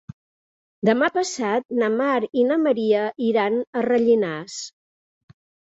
Demà passat na Mar i na Maria iran a Rellinars.